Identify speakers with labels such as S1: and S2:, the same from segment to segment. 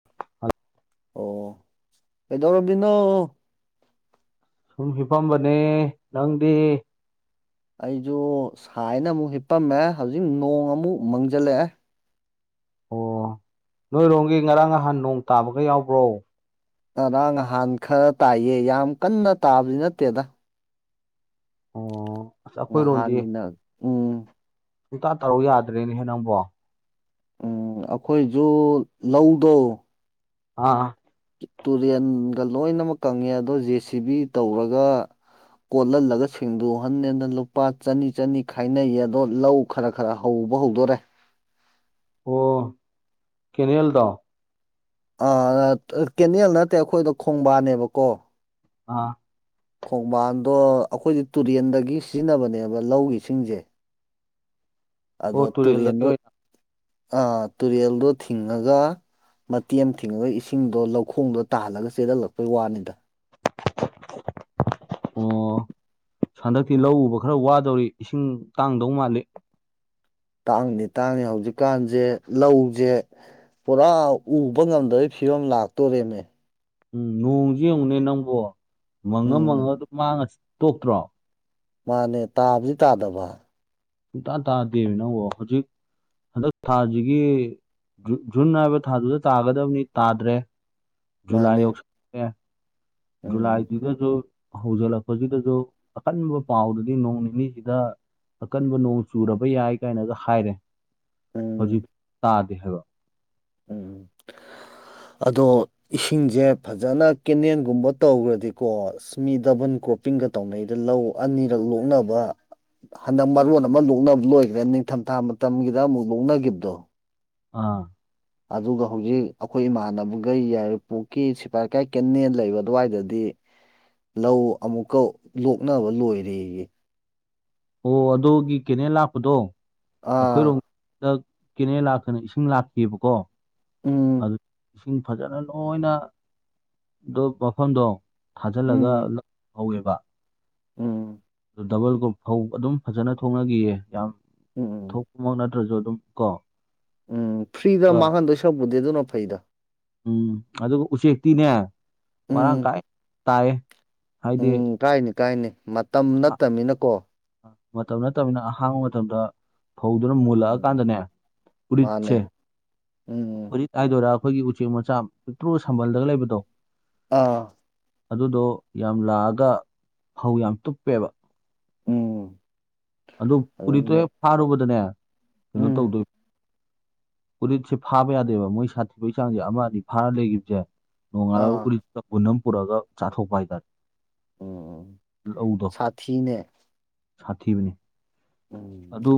S1: [unintelligible]
S2: ꯑꯣ ꯀꯩꯩꯗꯧꯔꯝꯃꯤꯅꯣ
S1: ꯁꯨꯝ ꯍꯤꯞꯄꯝꯕꯅꯦ ꯅꯪꯗꯤ
S2: ꯑꯩꯖꯨ ꯁꯥꯏꯌꯦꯅ ꯑꯃꯨꯛ ꯍꯤꯞꯄꯝꯃꯦ ꯍꯧꯖꯤꯛ ꯅꯣꯡ ꯑꯃꯨꯛ ꯃꯪꯖꯤꯜꯂꯛꯑꯦ
S1: ꯑꯣ ꯅꯣꯏꯔꯣꯝꯒꯤ ꯉꯔꯥꯡ ꯉꯍꯥꯟ ꯅꯣꯡ ꯇꯥꯕꯒ ꯌꯥꯎꯕ꯭ꯔꯣ
S2: ꯉꯔꯥꯡ ꯉꯍꯥꯟ ꯈꯔ ꯇꯥꯏꯌꯦ ꯌꯥꯝ ꯀꯟꯅ ꯇꯥꯕꯗꯤ ꯅꯠꯇꯦꯗ
S1: ꯑꯣ ꯑꯁ
S2: ꯉꯍꯥꯟꯒꯤꯅ ꯎꯝ
S1: ꯁꯨꯛꯇꯥ ꯇꯥꯔꯛꯎ ꯌꯥꯗ꯭ꯔꯦꯅꯦꯍꯦ ꯅꯪꯕꯣ
S2: ꯎꯝ ꯑꯈꯣꯏꯖꯨ ꯂꯧꯗꯣ
S1: ꯑꯥ
S2: ꯇꯨꯔꯦꯟꯒ ꯂꯣꯏꯅꯃꯛ ꯀꯪꯉꯦ ꯑꯗꯣ ꯖꯦ ꯁꯤ ꯕꯤ ꯇꯧꯔꯒ ꯀꯣꯠꯍꯜꯂꯒ ꯁꯦꯡꯗꯣꯛꯍꯟꯅꯦꯅ ꯂꯨꯄꯥ ꯆꯅꯤ ꯆꯅꯤ ꯈꯥꯏꯅꯩ ꯑꯗꯣ ꯂꯧ ꯈꯔ ꯈꯔ ꯍꯧꯕ ꯍꯧꯗꯣꯔꯦ
S1: ꯑꯣ ꯀꯦꯅꯦꯜꯗꯣ
S2: ꯑꯥ ꯑꯥ ꯀꯦꯅꯦꯜ ꯅꯠꯇꯦ ꯑꯩꯈꯣꯏꯗ ꯈꯣꯡꯕꯥꯟꯅꯦꯕꯀꯣ
S1: ꯑꯥ
S2: ꯈꯣꯡꯕꯥꯟꯗꯣ ꯑꯈꯣꯏꯗꯤ ꯇꯨꯔꯦꯟꯗꯒꯤ ꯁꯤꯖꯤꯟꯅꯕꯅꯦꯕ ꯂꯧꯒꯤ ꯏꯁꯤꯡꯖꯦ
S1: ꯑꯣ
S2: ꯑꯗꯣ
S1: ꯇꯨꯔꯦꯜꯗꯒꯤ
S2: ꯇꯨꯔꯦꯜꯗꯣ
S1: ꯑꯣꯏꯅ
S2: ꯑꯥ ꯇꯨꯔꯦꯜꯗꯣ ꯊꯤꯡꯉꯒ ꯃꯇꯦꯛ ꯑꯝ ꯊꯤꯡꯉꯒ ꯏꯁꯤꯡꯗꯣ ꯂꯧꯈꯣꯡꯗꯣ ꯇꯥꯍꯜꯂꯒ ꯆꯦꯜꯍꯜꯂꯛꯄꯩ ꯋꯥꯅꯤꯗ
S1: ꯑꯣ ꯍꯟꯗꯛꯇꯤ ꯂꯧ ꯎꯕ ꯈꯔ ꯋꯥꯗꯧꯔꯤ ꯏꯁꯤꯡ ꯇꯥꯡꯗꯧ ꯃꯥꯜꯂꯤ
S2: ꯇꯥꯡꯅꯤ ꯇꯥꯡꯅꯤ ꯍꯧꯖꯤꯛꯀꯥꯟꯖꯦ ꯂꯧꯖꯦ ꯄꯨꯔꯥ ꯎꯕ ꯉꯝꯗꯕꯒꯤ ꯐꯤꯕꯝ ꯂꯥꯛꯇꯣꯔꯦꯅꯦ
S1: ꯎꯝ ꯅꯣꯡꯖꯦ ꯌꯦꯡꯉꯨꯅꯦ ꯅꯪꯕꯣ ꯃꯪꯉ ꯃꯪꯉ
S2: ꯎꯝ
S1: ꯑꯗꯨꯝ ꯃꯥꯡꯉ ꯇꯣꯛꯇ꯭ꯔꯣ
S2: ꯃꯥꯅꯦ ꯇꯥꯕꯗꯤ ꯇꯥꯗꯕ
S1: ꯁꯨꯛꯇꯥ ꯇꯥꯗꯦꯃꯦ ꯅꯪꯕꯣ ꯍꯨꯖꯤꯛ ꯍꯟꯗꯛ ꯊꯥꯖꯤꯒꯤ ꯖꯨꯟ ꯖꯨꯟ ꯍꯥꯏꯕ ꯊꯥꯗꯨꯗ ꯇꯥꯒꯗꯕꯅꯤ ꯇꯥꯗ꯭ꯔꯦ ꯖꯨꯂꯥꯏ
S2: ꯃꯥꯅꯦ
S1: ꯌꯧꯁꯜ ꯂꯦ
S2: ꯎꯝ
S1: ꯖꯨꯂꯥꯏꯗꯨꯗꯖꯨ ꯍꯧꯖꯤꯜꯂꯛꯄꯖꯤꯗꯖꯨ ꯑꯀꯟꯕ ꯄꯥꯎꯗꯗꯤ ꯅꯣꯡ ꯅꯤꯅꯤꯁꯤꯗ ꯑꯀꯟꯕ ꯅꯣꯡ ꯆꯨꯔꯕ ꯌꯥꯏ ꯀꯥꯏꯅꯒ ꯍꯥꯏꯔꯦ ꯍꯧꯖꯤꯛ
S2: ꯎꯝ
S1: ꯇꯥꯗꯦ ꯍꯥꯏꯕ
S2: ꯎꯝ ꯑꯗꯣ ꯏꯁꯤꯡꯁꯦ ꯐꯖꯅ ꯀꯦꯅꯦꯜꯒꯨꯝꯕ ꯇꯧꯒꯔꯗꯤꯀꯣ ꯆꯤꯡꯃꯤ ꯗꯕꯟ ꯀ꯭ꯔꯣꯞꯄꯤꯡꯒ ꯇꯧꯅꯩꯗ ꯂꯧ ꯑꯅꯤꯔꯛ ꯂꯣꯛꯅꯕ ꯍꯟꯗꯛ ꯃꯔꯣꯟ ꯑꯃ ꯂꯣꯛꯅꯕ ꯂꯣꯏꯈ꯭ꯔꯦ ꯅꯤꯡꯊꯝꯊꯥ ꯃꯇꯝꯒꯤꯗ ꯑꯃꯨꯛ ꯂꯧꯅꯈꯤꯕꯗꯣ
S1: ꯑꯥ
S2: ꯑꯗꯨꯒ ꯍꯧꯖꯤꯛ ꯑꯩꯈꯣꯏ ꯏꯃꯥꯟꯅꯕꯒꯩ ꯌꯥꯏꯔꯤꯄꯣꯛꯀꯤ ꯁꯤꯐꯥꯏ ꯂꯩꯀꯥꯏ ꯀꯦꯟꯅꯦꯟ ꯂꯩꯕ ꯑꯗꯨꯋꯥꯏꯗꯗꯤ ꯂꯧ ꯑꯃꯨꯛꯀ ꯂꯣꯛꯅꯕ ꯂꯣꯏꯔꯦꯌꯦ
S1: ꯑꯣ ꯑꯗꯣꯒꯤ ꯀꯦꯅꯦꯟ ꯂꯥꯛꯄꯗꯣ
S2: ꯑꯥ
S1: ꯑꯩꯈꯣꯏꯔꯣꯝ ꯗ ꯀꯦꯅꯦꯟ ꯂꯥꯛꯇꯅ ꯏꯁꯤꯡ ꯂꯥꯛꯇꯦꯕꯀꯣ
S2: ꯎꯝ
S1: ꯑꯗꯨ ꯏꯁꯤꯡ ꯐꯖꯅ ꯂꯣꯏꯅ ꯑꯗꯨ ꯃꯐꯝꯗꯣ ꯊꯥꯖꯤꯜꯂꯒ
S2: ꯎꯝ
S1: ꯂꯧ ꯍꯧꯋꯦꯕ
S2: ꯎꯝ
S1: ꯑꯗꯨ ꯗꯕꯜ ꯒ꯭ꯔꯣꯞ ꯐꯧ ꯑꯗꯨꯝ ꯐꯖꯅ ꯊꯣꯛꯅꯈꯤꯌꯦ ꯌꯥꯝ
S2: ꯎꯝ ꯎꯝ
S1: ꯊꯣꯛꯄꯃꯛ ꯅꯠꯇ꯭ꯔꯁꯨ ꯑꯗꯨꯝ ꯀꯣ
S2: ꯎꯝ ꯐ꯭ꯔꯤꯗ
S1: ꯑꯗꯨꯒ
S2: ꯃꯥꯡꯍꯟꯗꯣꯏ ꯁꯛꯄꯨꯗꯤ ꯑꯗꯨꯅ ꯐꯩꯗ
S1: ꯎꯝ ꯑꯗꯨꯒ ꯎꯆꯦꯛꯇꯤꯅꯦ ꯃꯔꯥꯡ
S2: ꯎꯝ
S1: ꯀꯥꯏ ꯇꯥꯏ ꯍꯥꯏꯗꯤ
S2: ꯎꯝ ꯀꯥꯏꯅꯤ ꯀꯥꯏꯅꯤ ꯃꯇꯝ ꯅꯠꯇꯕꯅꯤꯅꯀꯣ
S1: ꯃꯇꯝ ꯅꯠꯇꯕꯅꯤꯅ ꯑꯍꯥꯡꯕ ꯃꯇꯝꯗ ꯐꯧꯗꯨꯅ
S2: ꯎꯝ
S1: ꯃꯨꯜꯂꯜꯑꯀꯥꯟꯗꯅꯦ
S2: ꯃꯥꯅꯦ
S1: ꯎꯔꯤꯠꯁꯦ
S2: ꯎꯝ
S1: ꯎꯔꯤꯠ ꯍꯥꯏꯗꯣꯏꯔꯥ ꯑꯩꯈꯣꯏꯒꯤ ꯎꯆꯦꯛ ꯃꯆꯥ ꯄꯤꯛꯇ꯭ꯔꯨ ꯁꯝꯕꯜꯗꯒ ꯂꯩꯕꯗꯣ
S2: ꯑꯥ
S1: ꯑꯗꯨꯗꯣ ꯌꯥꯝ ꯂꯥꯛꯑꯒ ꯐꯧ ꯌꯥꯝ ꯇꯨꯞꯄꯦꯕ
S2: ꯎꯝ
S1: ꯑꯗꯨ ꯎꯔꯤꯠꯇꯣ
S2: ꯑꯗꯨꯅ
S1: ꯍꯦꯛ ꯐꯥꯔꯨꯕꯗꯅꯦ ꯀꯩꯅꯣ
S2: ꯎꯝ
S1: ꯇꯧꯗꯣꯏ ꯎꯔꯤꯠꯁꯦ ꯐꯥꯕ ꯌꯥꯗꯦꯕ ꯃꯣꯏ ꯁꯥꯊꯤꯕꯩ ꯆꯥꯡꯁꯦ ꯑꯃ ꯑꯅꯤ ꯐꯥꯔ ꯂꯩꯈꯤꯕꯁꯦ ꯅꯣꯡꯉꯥꯜꯂꯒ
S2: ꯑꯥ
S1: ꯎꯔꯤꯠꯇ ꯄꯨꯟꯅꯝ ꯄꯨꯔꯛꯒ ꯆꯥꯊꯣꯛꯄ ꯍꯥꯏꯇꯥꯔꯦ
S2: ꯎꯝ
S1: ꯂꯧꯗꯣ
S2: ꯁꯥꯊꯤꯅꯦ
S1: ꯁꯥꯊꯤꯕꯅꯤ
S2: ꯎꯝ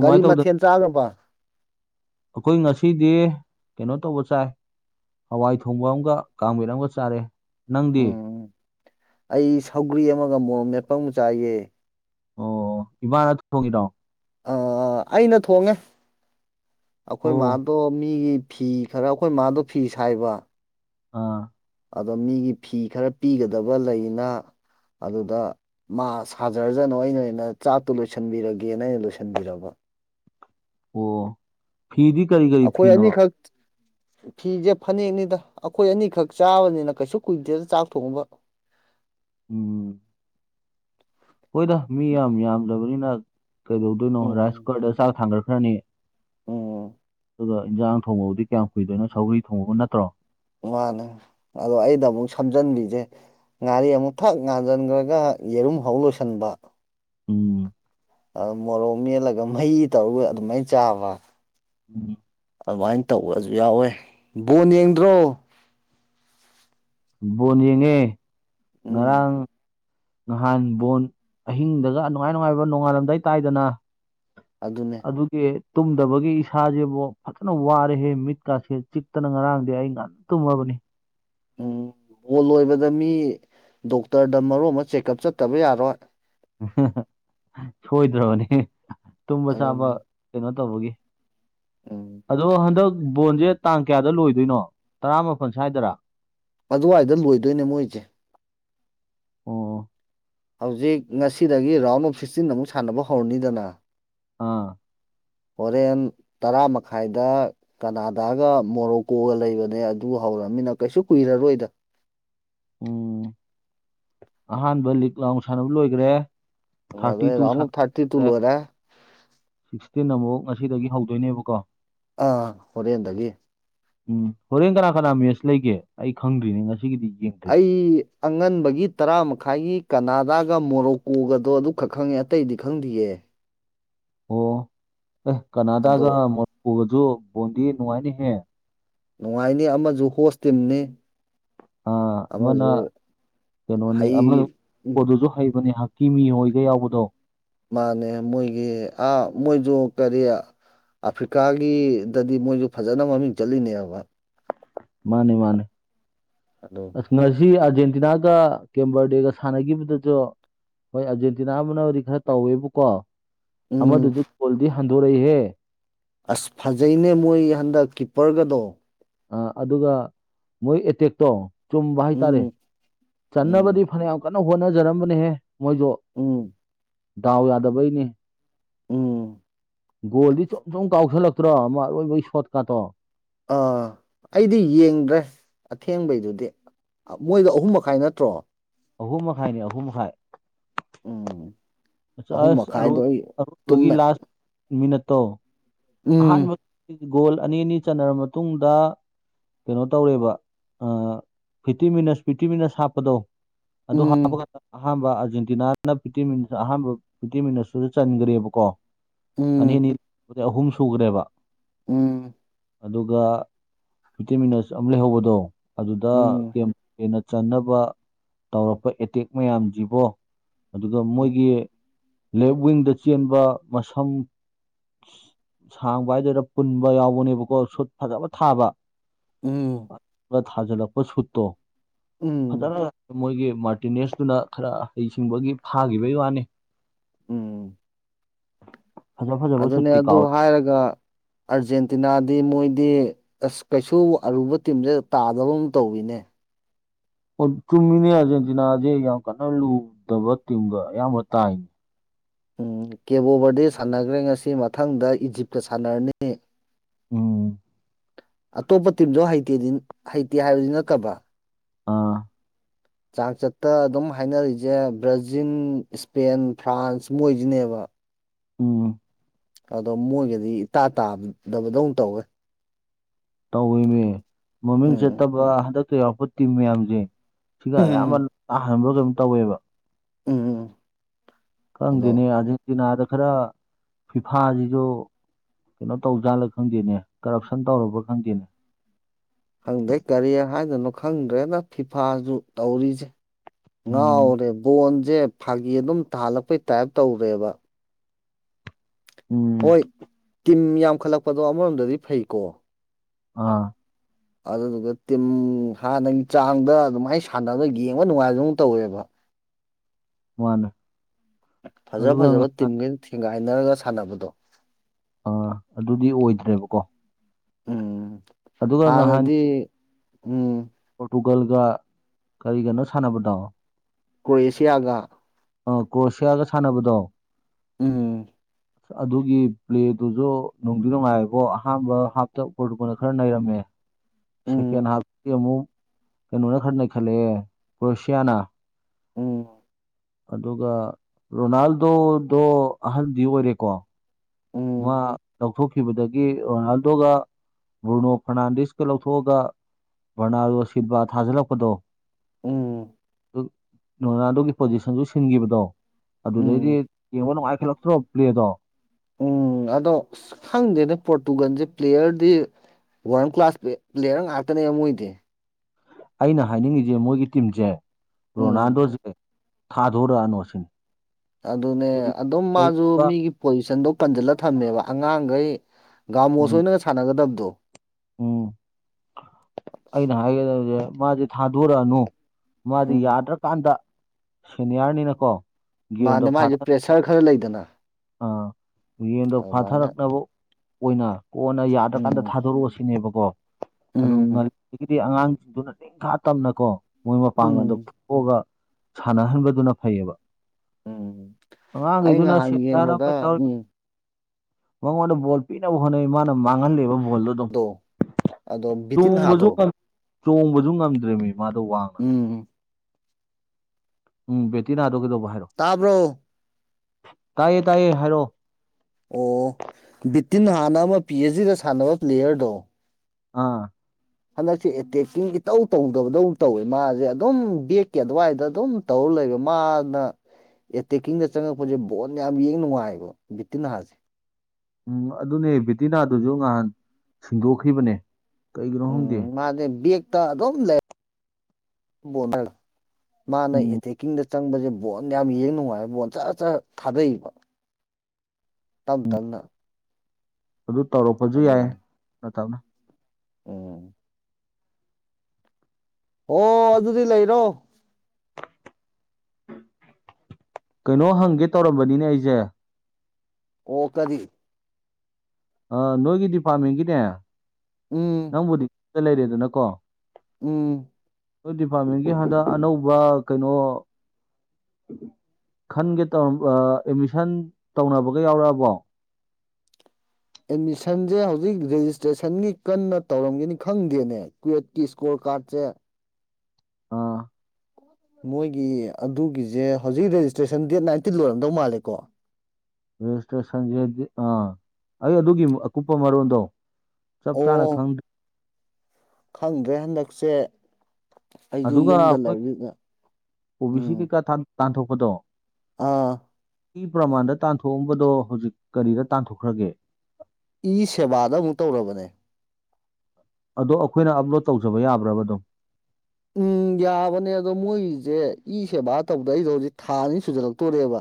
S2: ꯀꯔꯤ
S1: ꯇꯧꯗꯅ
S2: ꯃꯊꯦꯜ ꯆꯥꯈ꯭ꯔꯕ
S1: ꯑꯩꯈꯣꯏ ꯉꯁꯤꯗꯤ ꯀꯩꯅꯣ ꯇꯧꯕ ꯆꯥꯏ ꯍꯋꯥꯏ ꯊꯣꯡꯕ ꯑꯃꯒ ꯀꯥꯡꯃꯦꯠ ꯑꯃꯒ ꯆꯥꯔꯦ ꯅꯪꯗꯤ
S2: ꯎꯝ ꯑꯩ ꯁꯧꯒ꯭ꯔꯤ ꯑꯃꯒ ꯃꯣꯔꯣꯝ ꯃꯦꯞꯄ ꯑꯃꯒꯥ ꯆꯥꯏꯌꯦ
S1: ꯑꯣ ꯏꯃꯅꯥ ꯊꯣꯡꯉꯤꯔꯣ
S2: ꯑ ꯑꯩꯅ ꯊꯣꯡꯉꯦ ꯑꯩꯈꯣꯏ
S1: ꯑꯣ
S2: ꯃꯥꯥꯗꯣ ꯃꯤꯒꯤ ꯐꯤ ꯈꯔ ꯑꯩꯈꯣꯏ ꯃꯥꯗꯣ ꯐꯤ ꯁꯥꯏꯕ
S1: ꯑꯥ
S2: ꯑꯗꯣ ꯃꯤꯒꯤ ꯐꯤ ꯈꯔ ꯄꯤꯒꯗꯕ ꯂꯩꯅ ꯑꯗꯨꯗ ꯃꯥ ꯁꯥꯖꯔꯖꯥꯅꯨ ꯑꯩꯅ ꯑꯣꯏꯅꯥ ꯆꯥꯛꯇꯨ ꯂꯣꯏꯁꯤꯟꯕꯤꯔꯒꯦꯅ ꯑꯩꯅ ꯂꯣꯏꯁꯤꯟꯕꯤꯔꯕ
S1: ꯑꯣ ꯐꯤꯗꯤ ꯀꯔꯤꯒ
S2: ꯑꯩꯈꯣꯏ ꯑꯅꯤꯈꯛ ꯐꯤꯁꯦ ꯐꯅꯦꯛꯅꯤꯗ ꯑꯩꯈꯣꯏ ꯑꯅꯤꯈꯛ ꯆꯥꯕꯅꯤꯅ ꯀꯩꯁꯨ ꯀꯨꯏꯗꯦꯗ ꯆꯥꯛ ꯊꯣꯡꯕ
S1: ꯎꯝ ꯍꯣꯏꯗ ꯃꯤ ꯌꯥꯝ ꯌꯥꯝꯗ꯭ꯔꯕꯅꯤꯅ ꯀꯩꯗꯧꯗꯣꯏꯅꯣ ꯔꯥꯏꯁ
S2: ꯎꯝ
S1: ꯀꯨꯀꯔꯗ ꯆꯥꯛ ꯊꯥꯡꯒꯠꯈ꯭ꯔꯅꯤ
S2: ꯎꯝ
S1: ꯑꯗꯣ ꯏꯟꯖꯥꯡ ꯊꯣꯡꯕꯕꯨꯗꯤ ꯀꯌꯥꯝ ꯀꯨꯏꯗꯣꯏꯅꯣ ꯁꯧꯒꯔꯤ ꯊꯣꯡꯕꯕꯨ ꯅꯠꯇ꯭ꯔꯣ
S2: ꯃꯥꯅꯦ ꯑꯗꯣ ꯑꯩꯗ ꯑꯃꯨꯛ ꯁꯝꯖꯟꯒꯤꯁꯦ ꯉꯥꯔꯤ ꯑꯃꯨꯛ ꯊꯛ ꯉꯥꯟꯁꯤꯟꯈ꯭ꯔꯒ ꯌꯦꯔꯨꯝ ꯍꯧ ꯂꯣꯏꯁꯤꯟꯕ
S1: ꯑꯣꯝ
S2: ꯑ ꯃꯣꯔꯣꯛ ꯃꯦꯠꯂꯒ ꯃꯍꯤ ꯇꯧꯔꯒ ꯑꯗꯨꯃꯥꯏꯅ ꯆꯥꯕ꯫
S1: ꯎꯝ꯫
S2: ꯑꯗꯨꯃꯥꯏꯅ ꯇꯧꯕꯁꯨ ꯌꯥꯎꯋꯦ ꯕꯣꯟ ꯌꯦꯡꯗ꯭ꯔꯣ꯫
S1: ꯕꯣꯟ ꯌꯦꯡꯉꯦ
S2: ꯎꯝ
S1: ꯉꯔꯥꯡ꯫ ꯅꯍꯥꯟ ꯕꯣꯟ ꯑꯍꯤꯡꯗꯒ ꯅꯨꯡꯉꯥꯏ ꯅꯨꯡꯉꯥꯏꯕ ꯅꯣꯡꯉꯥꯜꯂꯝꯗꯥꯏ ꯇꯥꯏꯗꯅ꯫
S2: ꯑꯗꯨꯅꯦ꯫
S1: ꯑꯗꯨꯒꯤ ꯇꯨꯝꯗꯕꯒꯤ ꯏꯁꯥꯁꯦꯕꯨ ꯐꯖꯅ ꯋꯥꯔꯦꯍꯦ ꯃꯤꯠ ꯀꯥꯥꯁꯦ ꯆꯤꯛꯇꯅ ꯉꯔꯥꯡꯗꯤꯦ ꯑꯩ ꯇꯨꯝꯃꯕꯅꯤ꯫
S2: ꯎꯝ ꯕꯣꯜ ꯂꯣꯏꯕꯗ ꯃꯤ ꯗꯣꯛꯇꯔꯗ ꯃꯔꯨꯞ ꯑꯃ ꯆꯦꯛꯑꯞ ꯆꯠꯇꯕ ꯌꯥꯔꯣꯏ꯫
S1: ꯁꯣꯏꯗ꯭ꯔꯕꯅꯤ ꯇꯨꯝꯕ ꯆꯥꯕ
S2: ꯑꯗꯨꯅꯤ
S1: ꯀꯩꯅꯣ ꯇꯧꯕꯒꯤ꯫
S2: ꯎꯝ
S1: ꯑꯗꯣ ꯍꯟꯗꯛ ꯕꯣꯟꯁꯦ ꯇꯥꯡ ꯀꯌꯥꯗ ꯂꯣꯏꯗꯣꯏꯅꯣ ꯇꯔꯥꯃꯄꯜ ꯁ꯭ꯋꯥꯏꯗꯔ꯫
S2: ꯑꯗꯨꯋꯥꯏꯗ ꯂꯣꯏꯗꯣꯏꯅꯦ ꯃꯣꯏꯁꯦ꯫
S1: ꯑꯣ
S2: ꯍꯧꯖꯤꯛ ꯉꯁꯤꯗꯒꯤ ꯔꯥꯎꯟ ꯑꯣꯐ ꯁꯤꯛꯁꯇꯤꯟ ꯑꯃꯨꯛ ꯁꯥꯟꯅꯕ ꯍꯧꯔꯅꯤꯗꯅ꯫
S1: ꯑꯥ꯫
S2: ꯍꯣꯔꯦꯟ ꯇꯔꯥ ꯃꯈꯥꯏꯗ꯫ ꯀꯅꯥꯗꯥꯒ ꯃꯣꯔꯣꯀꯣꯒ ꯂꯩꯕꯅꯦ ꯑꯗꯨ ꯍꯧꯔꯃꯤꯅ ꯀꯩꯁꯨ ꯀꯨꯏꯔꯔꯣꯏꯗ꯫
S1: ꯎꯝ꯫ ꯑꯍꯥꯟꯕ ꯂꯤꯛ ꯂꯥꯎꯟ ꯁꯥꯟꯅꯕ ꯂꯣꯏꯈ꯭ꯔꯦ ꯊꯥꯔꯇꯤ
S2: ꯑꯗꯩ
S1: ꯇꯨ
S2: ꯔꯥꯎꯟ ꯑꯣꯐ ꯊꯥꯔꯇꯤ
S1: ꯁꯥꯟꯅꯕ
S2: ꯇꯨ
S1: ꯔꯦ
S2: ꯂꯣꯏꯔꯦ
S1: ꯁꯤꯛꯁꯇꯤꯟ ꯑꯃꯨꯛ ꯉꯁꯤꯗꯒꯤ ꯍꯧꯗꯣꯏꯅꯦꯕꯀꯣ꯫
S2: ꯑꯥ ꯍꯣꯔꯦꯟꯗꯒꯤ꯫
S1: ꯎꯝ ꯍꯣꯔꯦꯟ ꯀꯅꯥ ꯀꯅꯥ ꯃꯦꯠꯁ ꯂꯩꯒꯦ ꯑꯩ ꯈꯪꯗ꯭ꯔꯤꯅꯦ ꯉꯁꯤꯒꯤꯗꯤ ꯌꯦꯡꯉ
S2: ꯑꯩ ꯑꯉꯟꯕꯒꯤ ꯇꯔꯥ ꯃꯈꯥꯏꯒꯤ ꯀꯅꯥꯗꯥꯒ ꯃꯣꯔꯣꯛꯀꯣꯒꯗꯣ ꯑꯗꯨꯈꯛ ꯈꯪꯉꯦ ꯑꯇꯩꯗꯤ ꯈꯪꯗꯤꯌꯦ꯫
S1: ꯑꯣ ꯑꯦ
S2: ꯑꯗꯣ
S1: ꯀꯅꯥꯗꯥꯒ ꯃꯣꯔꯣꯀꯣꯒꯁꯨ ꯕꯣꯟꯗꯤ ꯅꯨꯡꯉꯥꯏꯅꯤꯍꯦ꯫
S2: ꯅꯨꯡꯉꯥꯏꯅꯤ ꯑꯃꯁꯨ ꯍꯣꯁ ꯇꯤꯝꯅꯤ꯫
S1: ꯑ ꯑꯃꯅ
S2: ꯑꯃꯁꯨ
S1: ꯀꯩꯅꯣꯅꯤ ꯑꯃꯅ
S2: ꯍꯩ ꯎꯝ
S1: ꯄꯣꯀꯣꯗꯨꯁꯨ ꯍꯩꯕꯅꯤ ꯍꯥꯏ ꯀꯤ ꯃꯤ ꯍꯣꯏꯒ ꯌꯥꯎꯕꯗꯣ꯫
S2: ꯃꯥꯅꯦ ꯃꯣꯏꯒꯤ ꯑꯥ ꯃꯣꯏꯖꯨ ꯀꯔꯤ ꯑꯐ꯭ꯔꯤꯀꯥꯒꯤꯗꯗꯤ ꯃꯣꯏꯁꯨ ꯐꯖꯅ ꯃꯃꯤꯡ ꯆꯠꯂꯤꯅꯦꯕ꯫
S1: ꯃꯥꯅꯦ ꯃꯥꯅꯦ
S2: ꯑꯗꯣ
S1: ꯉꯁꯤ ꯑꯔꯖꯦꯟꯇꯤꯅꯥ ꯒ ꯀꯦꯝꯕꯔꯗꯦꯒ ꯁꯥꯟꯅꯈꯤꯕꯗꯨꯁꯨ ꯍꯣꯏ ꯑꯥꯔꯖꯦꯟꯇꯤꯅꯥ ꯑꯃꯅꯗꯤ ꯈꯔ ꯇꯧꯋꯦꯕꯨꯀꯣ
S2: ꯎꯝ
S1: ꯑꯃꯗꯨꯁꯨ ꯒꯣꯜꯗꯤ ꯍꯟꯗꯣꯔꯛꯏꯍꯦ꯫
S2: ꯑꯁ ꯐꯖꯩꯅꯦ ꯃꯣꯏ ꯍꯟꯗꯛ ꯀꯤꯞꯄꯔꯒꯗꯣ꯫
S1: ꯑ ꯑꯗꯨꯒ ꯃꯣꯏ ꯑꯦꯇꯦꯛꯇꯣ ꯆꯨꯝꯕ ꯍꯥꯏꯇꯥꯔꯦ꯫
S2: ꯎꯝ
S1: ꯆꯟꯅꯕꯗꯤ
S2: ꯎꯝ
S1: ꯐꯅꯌꯥꯝ ꯀꯟꯅ ꯍꯣꯠꯅꯖꯔꯝꯕꯅꯦꯍꯦ ꯃꯣꯏꯁꯨ
S2: ꯎꯝ
S1: ꯗꯥꯎ ꯌꯥꯗꯕꯩꯅꯦ꯫
S2: ꯎꯝ꯫
S1: ꯒꯣꯜꯗꯤ ꯆꯨꯝ ꯆꯨꯝ ꯀꯥꯎꯁꯜꯂꯛꯇ꯭ꯔꯣ ꯑꯃ ꯑꯔꯣꯏꯕꯒꯤ ꯁꯣꯠꯀꯥꯗꯣ꯫
S2: ꯑꯥ ꯑꯩꯗꯤ ꯌꯦꯡꯗ꯭ꯔꯦ ꯑꯊꯦꯡꯕꯩꯗꯨꯗꯤ꯫ ꯃꯣꯏꯗꯣ ꯑꯍꯨꯝ ꯃꯈꯥꯏ ꯅꯠꯇ꯭ꯔꯣ꯫
S1: ꯑꯍꯨꯝ ꯃꯈꯥꯏꯅꯦ ꯑꯍꯨꯝ ꯃꯈꯥꯏ꯫
S2: ꯎꯝ
S1: ꯑꯁ
S2: ꯑꯍꯨꯝ ꯃꯈꯥꯏꯗꯣ
S1: ꯑꯔꯣꯕ
S2: ꯑꯩ
S1: ꯑꯔꯣꯏꯕꯒꯤ
S2: ꯇꯨꯝꯃꯦ
S1: ꯂꯥꯁ ꯃꯤꯅꯠꯇꯣ꯫
S2: ꯎꯝ
S1: ꯑꯍꯥꯟꯕ ꯒꯣꯜ ꯑꯅꯤ ꯑꯅꯤ ꯆꯟꯅꯔꯕ ꯃꯇꯨꯡꯗ꯫ ꯀꯩꯅꯣ ꯇꯧꯔꯦꯕ ꯑ ꯐꯤꯐꯇꯤ ꯃꯤꯅꯠꯁ ꯐꯤꯞꯇꯤ ꯃꯤꯅꯠꯁ ꯍꯥꯞꯄꯗꯣ꯫ ꯑꯗꯨ
S2: ꯎꯝ
S1: ꯍꯥꯞꯄꯒꯟꯗ꯫ ꯑꯍꯥꯟꯕ ꯑꯥꯔꯖꯦꯟꯇꯤꯅꯥꯅ ꯐꯤꯞꯇꯤ ꯑꯍꯥꯟꯕ ꯐꯤꯞꯇꯤ ꯃꯤꯅꯠ ꯇꯨꯗ ꯆꯟꯈ꯭ꯔꯦꯕꯀꯣ꯫ ꯑꯅꯤ
S2: ꯎꯝ
S1: ꯑꯅꯤ [unintelligible] ꯑꯍꯨꯝ ꯁꯨꯒꯔꯦꯕ
S2: ꯎꯝ
S1: ꯑꯗꯨꯒ ꯐꯤꯞꯇꯤꯟ ꯃꯤꯅꯠꯁ ꯑꯃ ꯂꯩꯍꯧꯕꯗꯣ ꯑꯗꯨꯗ
S2: ꯎꯝ
S1: ꯀꯦꯝ__ ꯍꯦꯟꯅ ꯆꯟꯅꯕ ꯇꯧꯔꯛꯄ ꯑꯦꯇꯦꯛ ꯃꯌꯥꯝꯖꯤꯕꯣ ꯑꯗꯨꯒ ꯃꯣꯏꯒꯤ ꯂꯦꯞ ꯋꯤꯡꯗ ꯆꯦꯟꯕ ꯃꯁꯝ ꯁꯥꯡꯕ ꯍꯥꯏꯗꯣꯏꯔ ꯄꯨꯟꯕ ꯌꯥꯎꯕꯅꯦꯕꯀꯣ ꯁꯨꯠ ꯐꯖꯕ ꯊꯥꯕ
S2: ꯎꯝ
S1: [unintelligible] ꯊꯥꯖꯜꯂꯛꯄ ꯁꯨꯠꯇꯣ
S2: ꯎꯝ
S1: ꯐꯖꯅ ꯃꯣꯏꯒꯤ ꯃꯥꯔꯇꯤꯅꯦꯁꯇꯨꯅ ꯈꯔ ꯍꯩꯁꯤꯡꯕꯒꯤ ꯐꯥꯒꯤꯕꯩ ꯋꯥꯅꯤ
S2: ꯎꯝ
S1: ꯐꯖ ꯐꯖꯕ
S2: ꯑꯗꯨꯅꯦ
S1: ꯁꯨꯠꯇꯤ
S2: ꯑꯗꯨ
S1: ꯀꯥꯎ
S2: ꯍꯥꯏꯔꯒ ꯑꯥꯔꯖꯦꯟꯇꯤꯅꯥꯗꯤ ꯃꯣꯏꯗꯤ ꯑꯁ ꯀꯩꯁꯨ ꯑꯔꯨꯕ ꯇꯤꯝꯁꯦ ꯇꯥꯗꯕ ꯒꯨꯝ ꯇꯧꯋꯤꯅꯦ
S1: ꯑꯣ ꯆꯨꯝꯃꯤꯅꯦ ꯑꯥꯔꯖꯦꯟꯇꯤꯅꯥꯖꯦ ꯌꯥꯝ ꯀꯟꯅ ꯂꯨꯗꯕ ꯇꯤꯝꯒ ꯑꯌꯥꯝꯕ ꯇꯥꯏꯅꯦ
S2: ꯎꯝ ꯀꯦꯕꯣꯕꯔꯗꯦ ꯁꯥꯟꯅꯒ꯭ꯔꯦ ꯉꯁꯤ ꯃꯊꯪꯗ ꯏꯖꯤꯞꯀ ꯁꯥꯟꯅꯔꯅꯤ
S1: ꯎꯝ
S2: ꯑꯇꯣꯞꯄ ꯇꯤꯝꯁꯨ ꯍꯩꯇꯦꯗꯤꯟ ꯍꯩꯇꯦ ꯍꯥꯏꯕꯗꯤ ꯅꯠꯇꯕ
S1: ꯑꯥ
S2: ꯆꯥꯡꯆꯠꯇ ꯑꯗꯨꯝ ꯍꯥꯏꯅꯔꯤꯖꯦ ꯕ꯭ꯔꯥꯖꯤꯟ ꯏꯁꯄꯦꯟ ꯐ꯭ꯔꯥꯟꯁ ꯃꯣꯏꯁꯤꯅꯦꯕ
S1: ꯎꯝ
S2: ꯑꯗꯨꯗ ꯃꯣꯏꯒꯗꯤ ꯏꯇꯥ ꯇꯥꯕ ꯗꯕꯗꯧꯅ ꯇꯧꯋꯦ
S1: ꯇꯧꯋꯦꯃꯤ ꯃꯃꯤꯡ
S2: ꯎꯝ
S1: ꯆꯠꯇꯕ ꯍꯟꯗꯛꯇ ꯌꯥꯎꯔꯛꯄ ꯇꯤꯝ ꯃꯌꯥꯝꯁꯦ ꯁꯤꯒ
S2: ꯎꯝ
S1: ꯑꯌꯥꯝꯕꯅ ꯇꯥꯍꯟꯕ ꯀꯩꯅꯣꯝ ꯇꯧꯋꯦꯕ
S2: ꯎꯝ ꯎꯝ ꯑꯗꯣ
S1: ꯈꯪꯗꯦꯅꯦ ꯑꯥꯔꯖꯦꯟꯇꯤꯅꯥꯗ ꯈꯔ ꯐꯤꯐꯥꯁꯤꯁꯨ ꯀꯩꯅꯣ ꯇꯧꯖꯥꯜꯂ ꯈꯪꯗꯦꯅꯦ ꯀꯔꯞꯁꯟ ꯇꯧꯔꯕ ꯈꯪꯗꯦꯅꯦ
S2: ꯈꯪꯗꯦ ꯀꯔꯤ ꯍꯥꯏꯗꯣꯏꯅꯣ ꯈꯪꯗ꯭ꯔꯦꯗ ꯐꯤꯐꯥꯁꯨ ꯇꯧꯔꯤꯁꯦ
S1: ꯎꯝ
S2: ꯉꯥꯎꯔꯦ ꯕꯣꯟꯁꯦ ꯐꯥꯒꯤ ꯑꯗꯨꯝ ꯊꯥꯍꯜꯂꯛꯄꯩ ꯇꯥꯏꯞ ꯇꯧꯔꯦꯕ
S1: ꯎꯝ
S2: ꯍꯣꯏ ꯇꯤꯝ ꯌꯥꯝꯈꯠꯂꯛꯄꯗꯣ ꯑꯃꯔꯣꯝꯗꯗꯤ ꯐꯩꯀꯣ
S1: ꯑꯥ
S2: [unintelligible] ꯑꯗꯨꯗꯨꯒ ꯇꯤꯝ ꯍꯥꯟꯅꯒꯤ ꯆꯥꯡꯗ ꯑꯗꯨꯃꯥꯏꯅ ꯁꯥꯟꯕ ꯌꯦꯡꯕ ꯅꯨꯡꯉꯥꯏꯕꯗꯧꯅ ꯇꯧꯋꯦꯕ
S1: ꯃꯥꯅꯦ
S2: ꯐꯖ
S1: ꯑꯗꯨꯒ
S2: ꯐꯖꯕ
S1: ꯉꯍꯥꯟ
S2: ꯇꯤꯝꯒꯩꯅ ꯊꯦꯡꯒꯥꯏꯅꯔꯒ ꯁꯥꯟꯅꯕꯗꯣ
S1: ꯑꯥ ꯑꯗꯨꯗꯤ ꯑꯣꯏꯗ꯭ꯔꯦꯕꯀꯣ
S2: ꯎꯝ
S1: ꯑꯗꯨꯒ ꯉꯍꯥꯟ
S2: ꯍꯥꯟꯅꯗꯤ ꯎꯝ
S1: ꯄꯣꯔꯇꯨꯒꯜꯒ ꯀꯔꯤꯒꯅꯣ ꯁꯥꯟꯅꯕꯗꯣ
S2: ꯀꯣꯔꯦꯁꯤꯌꯥꯒ
S1: ꯑ ꯀ꯭ꯔꯣꯁꯤꯌꯥꯒ ꯁꯥꯟꯅꯕꯗꯣ
S2: ꯎꯝ
S1: ꯑꯗꯨꯒꯤ ꯄ꯭ꯂꯦꯗꯨꯁꯨ ꯅꯨꯡꯗꯤ ꯅꯨꯡꯉꯥꯏꯌꯦꯕꯣ ꯑꯍꯥꯟꯕ ꯍꯥꯞꯇ ꯄꯣꯔꯇꯨꯒꯜꯅ ꯈꯔ ꯅꯩꯔꯝꯃꯦ ꯁꯦꯀꯦꯟ
S2: ꯎꯝ
S1: ꯍꯥꯞꯇꯗꯤ ꯑꯃꯨꯛ ꯀꯩꯅꯣꯅ ꯈꯔ ꯅꯩꯈꯠꯂꯛꯑꯦ ꯀꯣꯔꯦꯁꯤꯌꯥꯅ
S2: ꯎꯝ
S1: ꯑꯗꯨꯒ ꯔꯣꯅꯥꯜꯗꯣꯗꯣ ꯑꯍꯟꯗꯤ ꯑꯣꯏꯔꯦꯀꯣ ꯃꯥ
S2: ꯎꯝ
S1: ꯂꯧꯊꯣꯛꯈꯤꯕꯗꯒꯤ ꯔꯣꯅꯥꯜꯗꯣꯒ ꯕ꯭ꯨꯔꯅꯣ ꯐꯔꯅꯥꯟꯗꯦꯁꯀ ꯂꯧꯊꯣꯛꯑꯒ ꯚꯔꯅꯥꯗꯣ ꯁꯤꯕꯕꯥ ꯊꯥꯖꯜꯂꯛꯄꯗꯣ
S2: ꯎꯝ
S1: ꯅꯣꯉꯥꯟꯗꯣꯒꯤ ꯄꯣꯖꯤꯁꯟꯁꯨ ꯁꯤꯟꯒꯤꯕꯗꯣ ꯑꯗꯨꯗꯩꯗꯤ
S2: ꯎꯝ
S1: ꯌꯦꯡꯕ ꯅꯨꯡꯉꯥꯏꯈꯠꯂꯛꯇ꯭ꯔꯣ ꯄ꯭ꯂꯦꯗꯣ
S2: ꯎꯝ ꯑꯗꯣ ꯑꯁ ꯈꯪꯗꯦꯗꯥ ꯄꯣꯔꯇꯨꯒꯟꯁꯦ ꯄ꯭ꯂꯦꯌꯔꯗꯤ ꯋꯥꯔꯟ ꯀ꯭ꯂꯥꯁ ꯄꯂꯦ ꯄ꯭ꯂꯦꯌꯔ ꯉꯥꯛꯇꯅꯦ ꯃꯣꯏꯗꯤ
S1: ꯑꯩꯅ ꯍꯥꯏꯅꯤꯡꯉꯤꯁꯦ ꯃꯣꯏꯒꯤ ꯇꯤꯝꯁꯦ
S2: ꯎꯝ
S1: ꯔꯣꯅꯥꯟꯗꯣꯁꯦ ꯀꯩ ꯊꯥꯗꯣꯔꯛꯑꯅꯨ ꯁꯤꯅꯤ
S2: ꯑꯗꯨꯅꯦ
S1: ꯀꯔꯤ
S2: ꯑꯗꯨꯝ ꯃꯥꯁꯨ
S1: ꯀꯔꯤꯒꯨꯝꯕ
S2: ꯃꯤꯒꯤ ꯄꯣꯖꯤꯁꯟꯗꯣ ꯀꯟꯖꯤꯜꯂ ꯊꯝꯃꯦꯕ ꯑꯉꯥꯡꯒꯩ ꯒꯃꯣꯁ
S1: ꯎꯝ
S2: ꯍꯣꯏꯅꯒ ꯁꯥꯟꯅꯒꯗꯕꯗꯣ
S1: ꯎꯝ ꯑꯩꯅ ꯍꯥꯏꯒꯗꯕꯁꯦ ꯃꯥꯁꯦ ꯊꯥꯗꯣꯔꯛꯑꯅꯨ ꯃꯥꯗꯤ
S2: ꯎꯝ
S1: ꯌꯥꯗ꯭ꯔꯀꯥꯟꯗ ꯁꯦꯅꯤꯌꯥꯔꯅꯤꯅꯀꯣ ꯒꯦꯝꯗꯣ
S2: ꯃꯥꯅꯦ ꯃꯥꯥꯏꯁꯦ
S1: ꯐꯥꯊ
S2: ꯄ꯭ꯔꯦꯁꯔ ꯈꯔ ꯂꯩꯗꯅ
S1: ꯑꯥ ꯌꯦꯟꯗꯣ
S2: ꯑꯗꯨꯃꯥꯏꯅ
S1: ꯐꯥꯊꯔꯛꯅꯕ ꯑꯣꯏꯅ ꯀꯣꯟꯅ ꯌꯥꯗ꯭ꯔꯀꯥꯟꯗ
S2: ꯎꯝ
S1: ꯊꯥꯗꯣꯔꯣꯛꯑꯣ ꯁꯤꯅꯦꯕꯀꯣ ꯑꯗꯨꯝ
S2: ꯎꯝ
S1: ꯉꯜꯂꯤꯗꯒꯤꯗꯤ ꯑꯉꯥꯡꯁꯤꯡꯗꯨꯅ ꯅꯤꯡꯈꯥ ꯇꯝꯅꯀꯣ ꯃꯣꯏ ꯃꯄꯥꯡꯒꯟꯗꯣ ꯐꯨ
S2: ꯎꯝ
S1: ꯊꯣꯛꯑꯒ ꯁꯥꯟꯅꯍꯟꯕꯗꯨꯅ ꯐꯩꯌꯦꯕ
S2: ꯎꯝ ꯑꯩ
S1: ꯑꯉꯥꯡꯈꯩꯗꯨꯅ ꯁꯦ
S2: ꯅꯍꯥꯟ ꯌꯦꯡꯕꯗ ꯎꯝ
S1: [unintelligible] ꯃꯉꯣꯟꯗ ꯕꯣꯜ ꯄꯤꯅꯕ ꯍꯣꯠꯅꯩ ꯃꯥꯅ ꯃꯥꯡꯍꯜꯂꯦꯕ ꯕꯣꯜꯗꯣ ꯗꯣ
S2: ꯑꯗꯣ ꯕꯤꯇꯤꯟ
S1: ꯇꯣꯡꯕꯁꯨ
S2: ꯍꯥꯗꯣ
S1: ꯀꯔ ꯆꯣꯡꯕꯁꯨ ꯉꯝꯗ꯭ꯔꯦꯃꯤ ꯃꯥꯗꯣ ꯋꯥꯡꯅ
S2: ꯎꯝ
S1: ꯎꯝ ꯕꯦꯇꯤꯅꯗꯣ ꯀꯩꯗꯧꯕ ꯍꯥꯏꯔꯣ
S2: ꯇꯥꯕ꯭ꯔꯣ
S1: ꯇꯥꯏꯌꯦ ꯇꯥꯏꯌꯦ ꯍꯥꯏꯔꯣ
S2: ꯑꯣ ꯕꯤꯇꯤꯟ ꯍꯥꯟꯅ ꯑꯃ ꯄꯤ ꯑꯩꯆ ꯗꯤꯒꯥ ꯁꯥꯟꯅꯕ ꯄ꯭ꯂꯦꯌꯔꯗꯣ
S1: ꯑꯥ
S2: ꯍꯟꯗꯛꯁꯦ ꯑꯦꯇꯦꯛꯀꯤꯡ ꯏꯇꯧ ꯇꯧꯗꯕꯗꯧ ꯇꯧꯏꯦ ꯃꯥꯁꯦ ꯑꯗꯨꯝ ꯕꯦꯛꯀꯤ ꯑꯗꯨꯋꯥꯏꯗ ꯑꯗꯨꯝ ꯇꯧꯔ ꯂꯩꯕ ꯃꯥꯅ ꯑꯦꯇꯦꯛꯀꯤꯡꯗ ꯆꯪꯉꯛꯄꯁꯦ ꯕꯣꯟ ꯌꯥꯝ ꯌꯦꯡ ꯅꯨꯉꯥꯏꯕ ꯕꯤꯇꯤꯟ ꯅꯍꯥꯁꯦ
S1: ꯎꯝ ꯑꯗꯨꯅꯦ ꯕꯦꯇꯤꯅꯥꯗꯨꯁꯨ ꯉꯍꯥꯟ ꯁꯤꯡꯗꯣꯛ꯭ꯈꯤꯕꯅꯦ
S2: ꯎꯝ ꯃꯥꯗꯤ ꯕꯦꯒꯛꯇ ꯑꯗꯨꯝ ꯂꯩ [unintelligible] ꯃꯥꯅ
S1: ꯎꯝ
S2: ꯑꯦꯇꯦꯛꯀꯤꯡꯗ ꯆꯪꯕꯁꯦ ꯕꯣꯟ ꯌꯥꯝ ꯌꯦꯡ ꯅꯨꯡꯉꯥꯏꯕ ꯕꯣꯜ ꯆꯔ ꯆꯔ ꯊꯥꯗꯩꯏꯕ ꯇꯞ ꯇꯞꯅ
S1: ꯑꯗꯨ ꯇꯧꯔꯛꯄꯁꯨ ꯌꯥꯏ ꯅꯠꯇꯞꯅ
S2: ꯑꯣ ꯑꯣ ꯑꯗꯨꯗꯤ ꯂꯩꯔꯣ
S1: ꯀꯩꯅꯣ ꯍꯪꯒꯦ ꯇꯧꯔꯝꯕꯅꯤꯅꯦ ꯑꯩꯁꯦ
S2: ꯑꯣ ꯀꯔꯤ
S1: ꯑꯥ ꯅꯣꯏꯒꯤ ꯗꯤꯄꯥꯔꯠꯃꯦꯟꯒꯤꯅꯦ
S2: ꯎꯝ
S1: ꯅꯪꯕꯨꯗꯤ [unintelligible] ꯂꯩꯔꯦꯗꯅꯀꯣ
S2: ꯎꯝ
S1: ꯑꯩꯈꯣꯏ ꯗꯤꯄꯥꯔꯠꯃꯦꯟꯒꯤ ꯍꯟꯗꯛ ꯑꯅꯧꯕ ꯀꯩꯅꯣ ꯈꯟꯒꯦ ꯇꯧ ꯑꯦꯠꯃꯤꯁꯟ ꯇꯧꯅꯕꯒ ꯌꯥꯎꯔꯛꯑꯕꯣ
S2: ꯑꯦꯠꯃꯤꯁꯟꯁꯦ ꯍꯧꯖꯤꯛ ꯔꯦꯖꯤꯁꯇ꯭ꯔꯦꯁꯟꯒꯤ ꯀꯟꯅ ꯇꯧꯔꯝꯒꯤꯅꯤ ꯈꯪꯗꯦꯅꯦ ꯀꯨꯋꯦꯠꯀꯤ ꯏꯁꯀꯣꯔ ꯀꯥꯔꯗꯁꯦ
S1: ꯑꯥ
S2: ꯃꯣꯏꯒꯤ ꯑꯗꯨꯒꯤꯁꯦ ꯍꯧꯖꯤꯛ ꯔꯦꯖꯤꯁꯇ꯭ꯔꯦꯁꯟ ꯗꯦꯠ ꯅꯥꯏꯟꯇꯤꯟ ꯂꯣꯏꯔꯝꯗꯧ ꯃꯥꯜꯂꯦꯀꯣ
S1: ꯔꯦꯁꯇ꯭ꯔꯦꯁꯟꯖꯦ ꯑꯥ ꯑꯩ ꯑꯗꯨꯒꯤ ꯑꯀꯨꯞꯄ ꯃꯔꯣꯟꯗꯣ ꯆꯄ ꯆꯥꯅꯥ
S2: ꯑꯣ
S1: ꯈꯪ
S2: ꯈꯪꯗ꯭ꯔꯦ ꯍꯟꯗꯛꯁꯦ ꯑꯩꯁꯨ
S1: ꯑꯗꯨꯒ
S2: ꯌꯨꯝꯗ
S1: ꯑꯩꯈꯣꯏ
S2: ꯂꯩꯕꯅꯤꯅ
S1: ꯑꯣꯕꯤ ꯁꯤ
S2: ꯎꯝ
S1: ꯀꯩꯀꯥ ꯇꯥꯟꯊꯣꯛꯄꯗꯣ
S2: ꯑꯥ
S1: ꯏ ꯄ꯭ꯔꯝꯃꯥꯟꯗ ꯇꯥꯟꯊꯣꯛꯑꯝꯕꯗꯣ ꯍꯧꯖꯤꯛ ꯀꯔꯤꯗ ꯇꯥꯟꯊꯣꯛꯈ꯭ꯔꯒꯦ
S2: ꯏ ꯁꯦꯕꯥꯗ ꯑꯃꯨꯛ ꯇꯧꯔꯕꯅꯦ
S1: ꯑꯗꯣ ꯑꯩꯈꯣꯏꯅ ꯑꯞꯂꯣꯗ ꯇꯧꯖꯕ ꯌꯥꯕ꯭ꯔꯕ ꯑꯗꯨꯝ
S2: ꯎꯝ ꯌꯥꯕꯅꯦ ꯑꯗꯣ ꯃꯣꯏꯒꯤꯁꯦ ꯏ ꯁꯦꯕꯥ ꯇꯧꯕꯗꯣ ꯑꯩꯗꯣ ꯍꯧꯖꯤꯛ ꯊꯥꯅꯤ ꯁꯨꯖꯜꯂꯛꯇꯣꯔꯦꯕ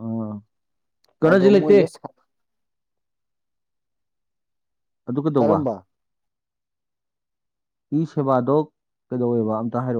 S1: ꯑꯥ ꯀꯩꯅꯣꯖꯤ
S2: ꯑꯗꯣ
S1: ꯂꯩꯇꯦ
S2: ꯃꯣꯏꯁꯦ
S1: ꯑꯗꯨ ꯀꯩꯗꯧꯕ
S2: ꯀꯔꯝꯕ
S1: ꯏ ꯁꯦꯕꯥꯗꯣ ꯀꯩꯗꯧꯋꯦꯕ ꯑꯝꯇ ꯍꯥꯏꯔꯛꯑꯣ